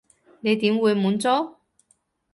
你點會滿足？